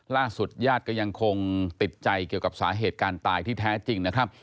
ญาติก็ยังคงติดใจเกี่ยวกับสาเหตุการณ์ตายที่แท้จริงนะครับ